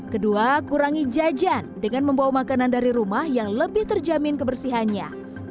kedua kurangi jajan dengan membawa makanan dari rumah yang lebih terjamin kebersihannya